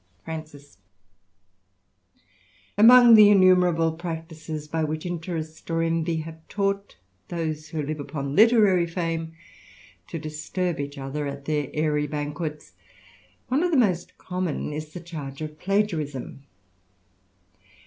Franci& A MONG the innumerable practices by which interest or "^^ envy have taught those who live upon literary fem^ to disturb each other at their airy banquets, one of the most common is the charge of plagiarism.